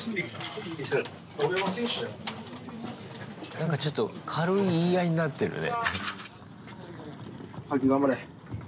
なんかちょっと軽い言い合いになってるね。